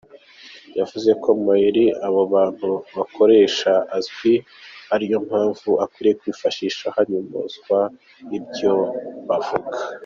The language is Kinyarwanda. Yavuze ko amayeri abo bantu bakoresha azwi ariyo mpamvu akwiye kwifashishwa hanyomozwa ibyo bavuga.